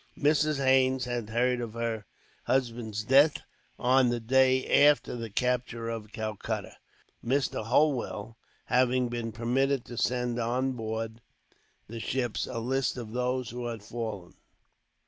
Mrs. Haines had heard of her husband's death, on the day after the capture of Calcutta, Mr. Holwell having been permitted to send on board the ships a list of those who had fallen.